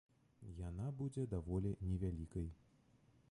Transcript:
Яна будзе даволі невялікай.